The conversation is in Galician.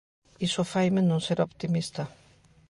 Iso faime non ser optimista.